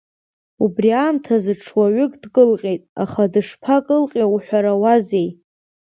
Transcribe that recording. Убри аамҭазы ҽуаҩык дкылҟьеит, аха дышԥакылҟьеи уҳәарауазеи!